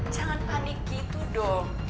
jangan panik gitu dong